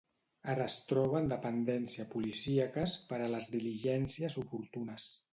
Ara es troba en dependència policíaques per a les diligències oportunes.